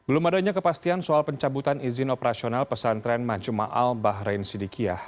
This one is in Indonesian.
belum adanya kepastian soal pencabutan izin operasional pesantren ⁇ juma al bahrain sidikiyah